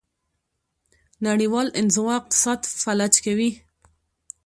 نړیوال انزوا اقتصاد فلج کوي.